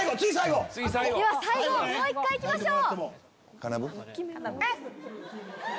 最後もう１回いきましょう。